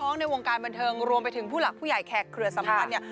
ในวงการบันเทิงรวมไปถึงผู้หลักผู้ใหญ่แขกเครือสัมพันธ์เนี่ย